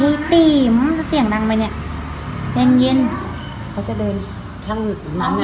เฮ้ยติ๋มเสียงดังไปเนี้ยเดินยินเขาจะเดินทางนั้นอ่ะ